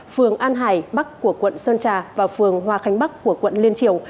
phường an hải bắc của quận sơn trà và phường hoa khánh bắc của quận liên triều